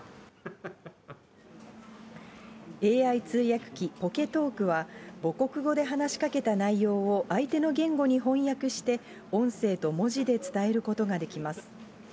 ＡＩ通訳機、ポケトークは、母国語で話しかけた内容を相手の言語に翻訳して、音声と文字で伝えることができます。